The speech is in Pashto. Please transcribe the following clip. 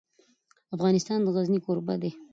افغانستان د غزني کوربه دی.